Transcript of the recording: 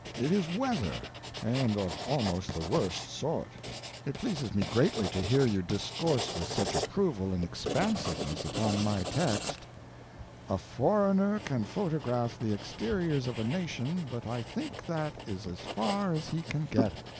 It is weather; and of almost the worst sort. It pleases me greatly to hear you discourse with such approval and expansiveness upon my text: "A foreigner can photograph the exteriors of a nation, but I think that is as far as he can get.